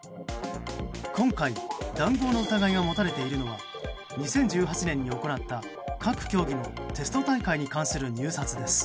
今回、談合の疑いが持たれているのは２０１８年に行った各競技のテスト大会に関する入札です。